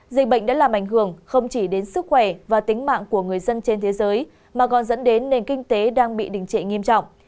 dịch bệnh đã làm ảnh hưởng không chỉ đến sức khỏe và tính mạng của người dân trên thế giới mà còn dẫn đến nền kinh tế đang bị đình trệ nghiêm trọng